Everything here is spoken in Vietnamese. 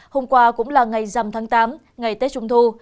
hôm qua cũng là ngày dằm tháng tám ngày tết trung thu